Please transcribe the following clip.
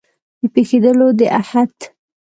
د پېښېدلو د احت